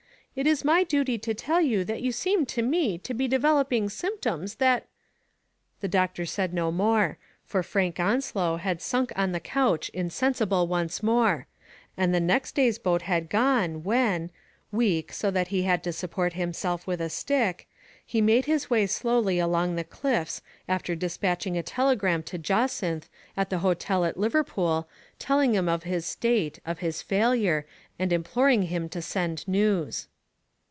It is my duty to tell you that you seem to me to be developing symptoms that " The doctor said no more, for Frank Onslow had sunk on the couch insensible once more, and the next day's boat had gone when, weak so that he had to support himself with a stick, he made his way slowly along the cliffs after dispatching a telegram to Jacynth at the hotel at Liverpool telling him of his state, of his failure, and implor ing him to send news.